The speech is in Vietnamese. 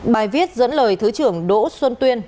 bài viết dẫn lời thứ trưởng đỗ xuân tuyên